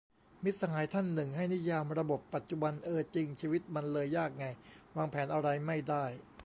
มิตรสหายท่านหนึ่ง ให้นิยามระบบปัจจุบัน เออจริง ชีวิตมันเลยยากไง วางแผนอะไรไม่ได้